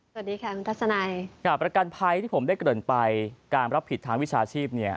สวัสดีค่ะคุณทัศนัยค่ะประกันภัยที่ผมได้เกริ่นไปการรับผิดทางวิชาชีพเนี่ย